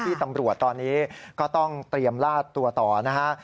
ที่ตำรวจตอนนี้ก็ต้องเตรียมลาดตัวต่อนะฮะ